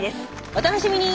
お楽しみに！